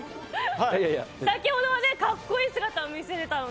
先ほどは格好いい姿が見れたので。